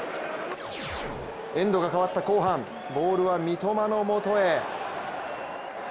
エンドが変わった後半ボールは三笘の元へ。